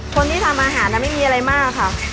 คนที่ทำอาหารไม่มีอะไรมากค่ะ